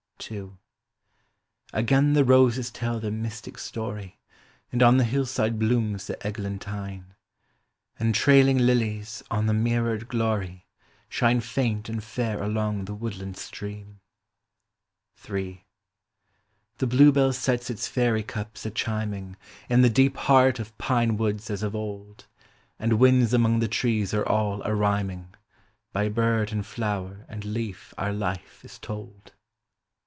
Again the roses tell their mystic story. And on the hillside blooms the eglantine. And trailing lilies, on the mirrored glory. Shine faint and fair along the woodland stream. III. The bluebell sets its fairy cups a chiming In the deep heart of pine woods as of old ; And winds among the trees are all a rhyming. By bird and flower and leaf our life is told.